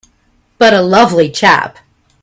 But a lovely chap!